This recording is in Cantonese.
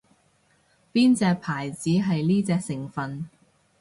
邊隻牌子係呢隻成份